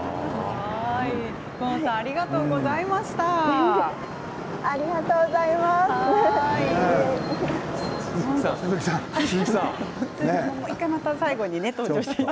フオンさんありがとうございました。